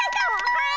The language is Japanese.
はい！